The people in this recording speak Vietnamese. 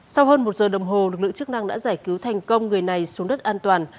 sau hơn một giờ đồng hồ lực lượng chức năng đã giải cứu thành công người này xuống đất an toàn